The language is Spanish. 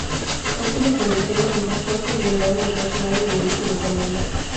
Otros se convirtieron en transportes blindados de personal y vehículos de mando.